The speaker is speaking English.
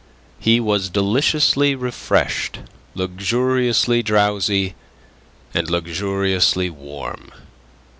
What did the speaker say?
He was deliciously refreshed, luxuriously drowsy and luxuriously warm.